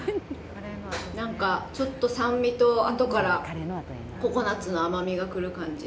何か、ちょっと酸味とあとからココナツの甘みが来る感じ。